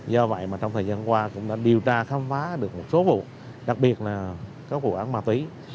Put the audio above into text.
do vậy mà trong thời gian qua cũng đã điều tra khám phá được một số vụ đặc biệt là các vụ án ma túy